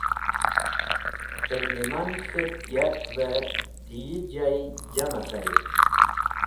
Tẽrlẽman k̃hetk yarkvẽ dẽ yi jay jama carit.